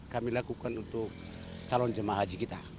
kami lakukan untuk calon jemaah haji kita